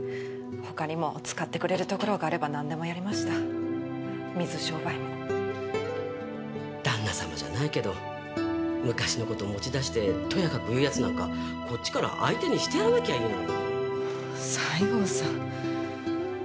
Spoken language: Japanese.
ほかにも使ってくれるところがあれば何でもやりました水商売も旦那さまじゃないけど昔のこと持ち出してとやかく言うヤツなんかこっちから相手にしてやらなきゃいいのよ西郷さん